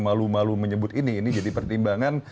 malu malu menyebut ini ini jadi pertimbangan